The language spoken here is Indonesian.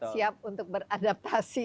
siap untuk beradaptasi